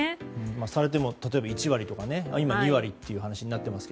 されても例えば１割とか２割という話にもなっていますが。